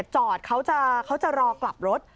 เขาจะรอกลับรถ